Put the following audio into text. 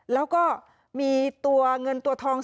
แล้วก็มีตัวเงินตัวทอง